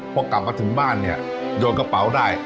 พอกลับมาถึงบ้านเนี่ยโยนกระเป๋าได้